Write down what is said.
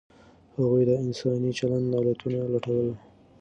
هغوی د انساني چلند علتونه لټول.